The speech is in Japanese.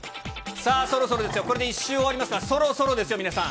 さあ、そろそろですよ、これで１周終わりますから、そろそろですよ、皆さん。